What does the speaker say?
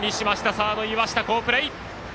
サード、岩下、好プレー。